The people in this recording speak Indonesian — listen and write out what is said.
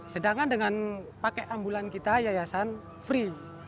sedangkan dengan pakai ambulan kita yayasan free